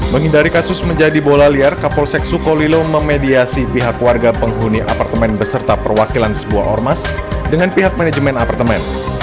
menghindari kasus menjadi bola liar kapolsek sukolilo memediasi pihak warga penghuni apartemen beserta perwakilan sebuah ormas dengan pihak manajemen apartemen